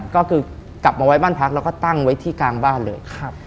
ก็คือกลับมาไว้บ้านพักแล้วก็ตั้งไว้ที่กลางบ้านเลย